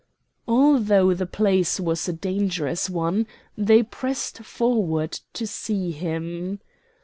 Although the place was a dangerous one they pressed forward to see him.